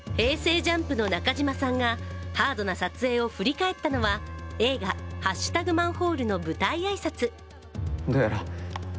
ＪＵＭＰの中島さんがハードな撮影を振り返ったのは、映画「＃マンホール」の舞台挨拶。